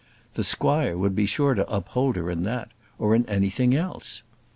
The squire would be sure to uphold her in that, or in anything else.